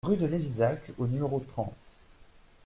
Rue de Lévizac au numéro trente